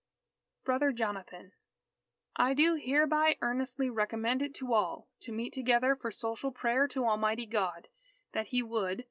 _" BROTHER JONATHAN _I do hereby earnestly recommend it to all ... to meet together for social prayer to Almighty God ... that He would